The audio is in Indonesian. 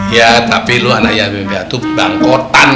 iya tapi lo anak yatim piatu bangkotan